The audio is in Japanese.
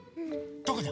どこだ？